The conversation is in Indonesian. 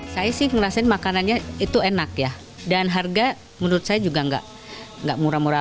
saya sih ngerasain makanannya itu enak ya dan harga menurut saya juga enggak enggak murah murah